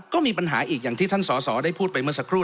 ก็มีปัญหาอีกอย่างที่ท่านสอสอได้พูดไปเมื่อสักครู่